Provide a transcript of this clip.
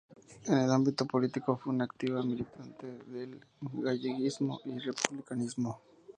En el ámbito político, fue una activa militante del galleguismo y del republicanismo.